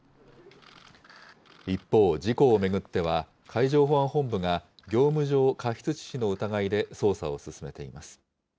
一方、事故を巡っては、海上保安本部が業務上過失致死の疑いで捜査を進めています。